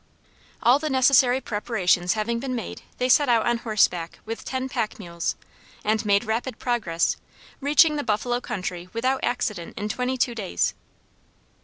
All the necessary preparations having been made, they set out on horse back with ten pack mules, and made rapid progress, reaching the buffalo country without accident in twenty two days.